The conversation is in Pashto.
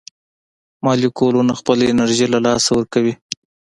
مالیکولونه خپله انرژي له لاسه ورکوي.